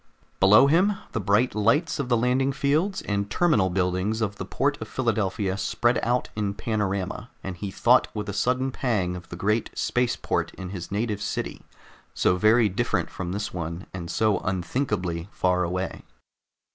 Below him the bright lights of the landing fields and terminal buildings of the port of Philadelphia spread out in panorama, and he thought with a sudden pang of the great space port in his native city, so very different from this one and so unthinkably far away.